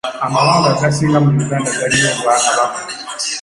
Amawanga agasinga mu Uganda galina obwakabaka.